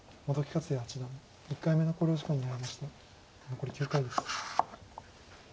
残り９回です。